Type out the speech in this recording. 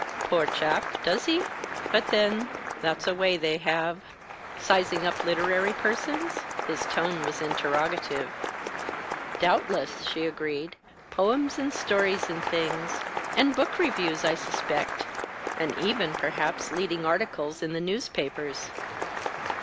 "Poor chap, does he? But then, that's a way they have, sizing up literary persons?" His tone was interrogative. "Doubtless," she agreed. "Poems and stories and things. And book reviews, I suspect. And even, perhaps, leading articles in the newspapers."